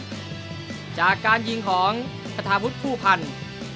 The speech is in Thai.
เลยครับจากการยิงของภาษาพุทธภูมิพันธุ์